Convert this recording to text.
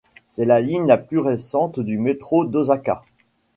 C'est la ligne la plus récente du métro d'Osaka.